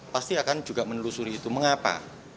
pasti akan juga menelusuri itu mengapa